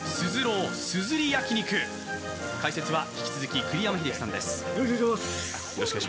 解説は引き続き栗山英樹さんです。